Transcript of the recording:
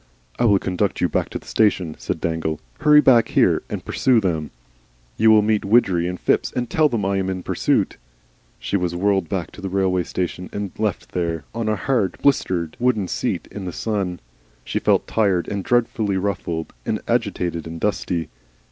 "I will conduct you back to the station," said Dangle; "hurry back here, and pursue them. You will meet Widgery and Phipps and tell them I am in pursuit." She was whirled back to the railway station and left there, on a hard, blistered, wooden seat in the sun. She felt tired and dreadfully ruffled and agitated and dusty.